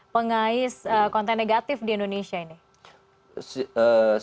pengais konten negatif di indonesia ini